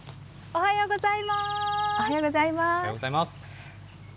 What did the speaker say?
おはようございます。